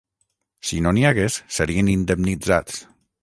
Si no n'hi hagués, serien indemnitzats.